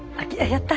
やった！